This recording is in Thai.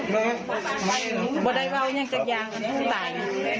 บบอดัยวาลแก่งจากยางภูตาย